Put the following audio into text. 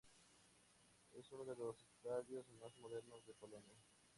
Es uno de los estadios más modernos de Polonia.